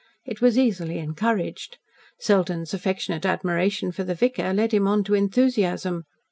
It was easily encouraged. Selden's affectionate admiration for the vicar led him on to enthusiasm.